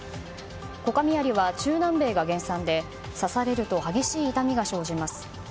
コカミアリは中南米が原産で刺されると激しい痛みが生じます。